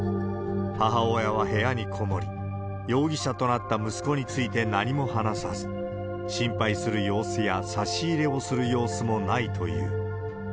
母親は部屋に籠もり、容疑者となった息子について何も話さず、心配する様子や差し入れをする様子もないという。